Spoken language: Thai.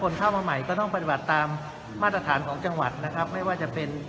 เข้ามาใหม่ก็ต้องปฏิบัติตามมาตรฐานของจังหวัดนะครับไม่ว่าจะเป็น